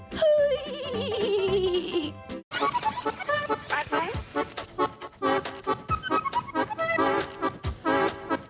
ปล่อย